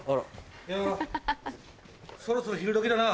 いやそろそろ昼時だな。